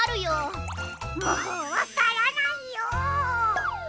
もうわからないよ！